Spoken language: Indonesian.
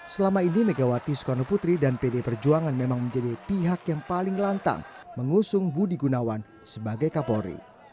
selama ini megawati soekarno putri dan pd perjuangan memang menjadi pihak yang paling lantang mengusung budi gunawan sebagai kapolri